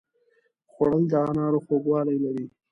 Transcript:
خوړل د انارو خوږوالی لري